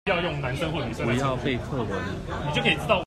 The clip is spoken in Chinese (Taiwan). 不要背課文了